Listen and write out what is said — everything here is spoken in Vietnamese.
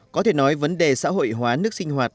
có thể nói vấn đề xã hội hóa nước sinh hoạt